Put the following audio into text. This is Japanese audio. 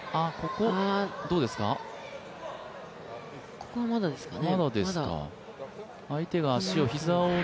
ここはまだですかね？